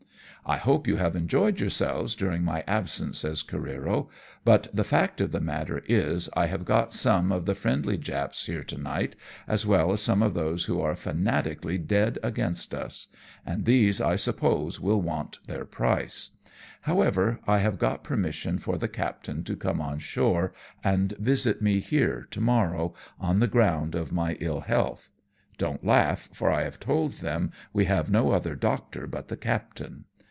" I hope you have enjoyed yourselves during my absence," says Careero, " but the fact of the matter is, I have got some of the friendly Japs here to night, as well as some of those who are fanatically dead against us, and these I suppose will want their price ; however, I have got permission for the captain to come on shore, and visit me here to morrow, on the ground of my ill health. Don't laugh, for I have told them we have no other doctor but the captain.